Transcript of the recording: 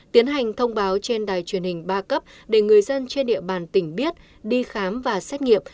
tiến hành thông báo trên đài truyền hình ba cấp để người dân trên địa bàn tỉnh biết đi khám và xét nghiệm